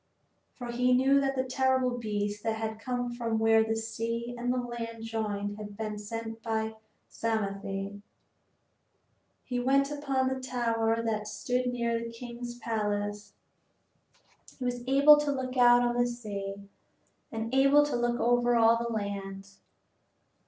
For he knew that the terrible beast that had come from where the sea and the land joined had been sent by Psamathe. He went up on the tower that stood near the king's palace. He was able to look out on the sea and able to look over all the land.